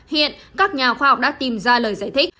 hiện các nhà khoa học đã tìm ra lời giải thích